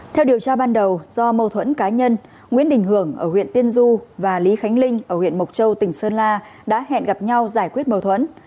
theo điều tra ban đầu do mâu thuẫn cá nhân nguyễn đình hưởng ở huyện tiên du và lý khánh linh ở huyện mộc châu tỉnh sơn la đã hẹn gặp nhau giải quyết mâu thuẫn